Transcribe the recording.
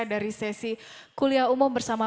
dari sesi kuliah umum bersama